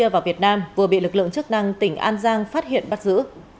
campuchia và việt nam vừa bị lực lượng chức năng tỉnh an giang phát hiện bắt giữ